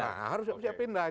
ya harus siap siap pindah